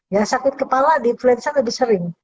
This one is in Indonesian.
ya sakit kepala di influenza lebih sering